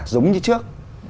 giống như trước